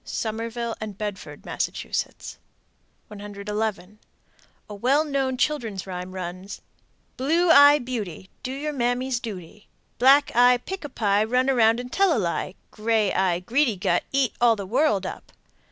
Somerville and Bedford, Mass. 111. A well known children's rhyme runs: Blue eye beauty, do your mammy's duty! Black eye, pick a pie, Run around and tell a lie! Gray eye greedy gut Eat all the world up!